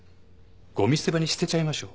ごみ捨て場に捨てちゃいましょう。